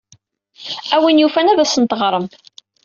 A win yufan ad asent-teɣrem.